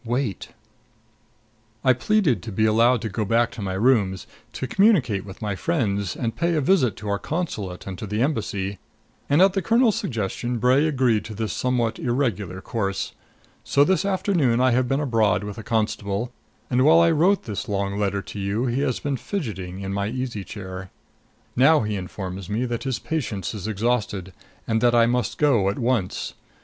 Wait!" I pleaded to be allowed to go back to my rooms, to communicate with my friends, and pay a visit to our consulate and to the Embassy; and at the colonel's suggestion Bray agreed to this somewhat irregular course. So this afternoon I have been abroad with a constable, and while I wrote this long letter to you he has been fidgeting in my easy chair. Now he informs me that his patience is exhausted and that I must go at once.